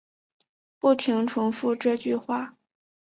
不停重复这句话